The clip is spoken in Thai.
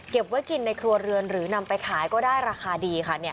ไว้กินในครัวเรือนหรือนำไปขายก็ได้ราคาดีค่ะ